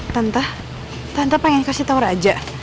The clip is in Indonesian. tante tante pengen kasih tau raja